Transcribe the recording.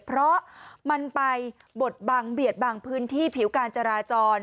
เพราะมันไปบดบังเบียดบางพื้นที่ผิวการจราจร